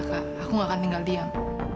aku tidak akan tinggal diam